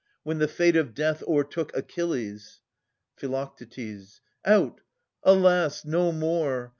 When the fate of death O'ertook Achilles Phi. Out, alas ! no more